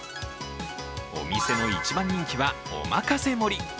お店の一番人気は、おまかせ盛り。